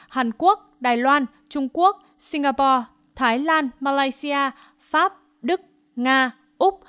hàn quốc đài loan trung quốc singapore thái lan malaysia pháp đức nga úc